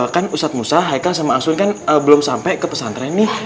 kan ustadz musa haika sama aswin kan belum sampai ke pesantren nih